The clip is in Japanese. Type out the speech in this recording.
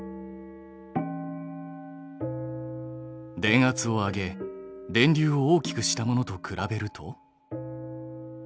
電圧を上げ電流を大きくしたものと比べると。